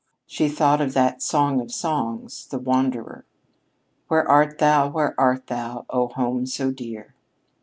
She thought of that song of songs, "The Wanderer." "Where art thou? Where art thou, O home so dear?"